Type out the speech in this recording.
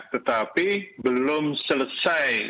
tetapi belum selesai